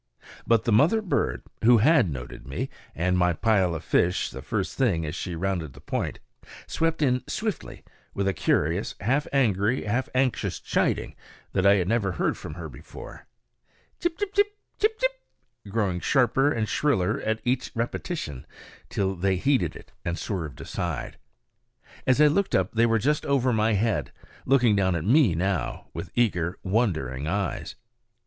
But the mother bird, who had noted me and my pile of fish the first thing as she rounded the point, swept in swiftly with a curious, half angry, half anxious chiding that I had never heard from her before, Chip, chip, chip! Chip! Chip! growing sharper and shriller at each repetition, till they heeded it and swerved aside. As I looked up they were just over my head, looking down at me now with eager, wondering eyes.